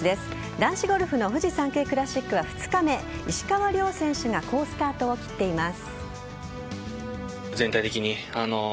男子ゴルフのフジサンケイクラシックは２日目石川遼選手が好スタートを切っています。